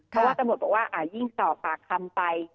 เพราะว่าตำรวจบอกว่ายิ่งสอบปากคำไป